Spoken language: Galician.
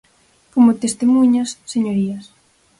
Como testemuñas, señorías.